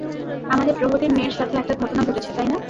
আমাদের প্রহরীর মেয়ের সাথে একটা ঘটনা ঘটেছে, তাই না?